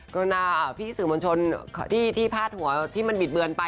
รณาพี่สื่อมวลชนที่พาดหัวที่มันบิดเบือนไป